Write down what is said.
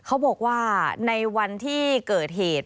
เขาบอกว่าในวันที่เกิดเหตุ